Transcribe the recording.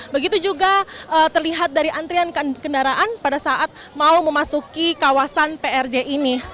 begitu juga terlihat dari antrian kendaraan pada saat mau memasuki kawasan prj ini